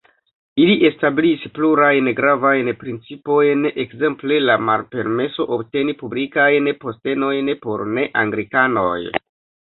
Ili establis plurajn gravajn principojn, ekzemple la malpermeso obteni publikajn postenojn por ne-anglikanoj.